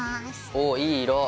おおいい色。